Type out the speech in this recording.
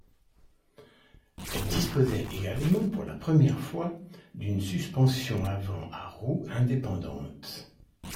Elle disposait également pour la première fois d'une suspension avant à roues indépendantes.